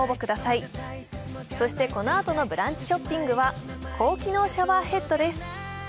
そしてこのあとのブランチショッピングは高機能シャワーヘッドです。